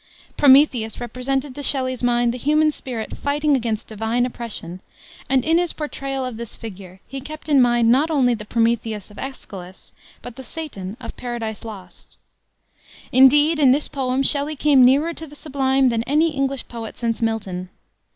Prometheus represented to Shelley's mind the human spirit fighting against divine oppression, and in his portrayal of this figure, he kept in mind not only the Prometheus of Aeschylus, but the Satan of Paradise Lost. Indeed, in this poem, Shelley came nearer to the sublime than any English poet since Milton.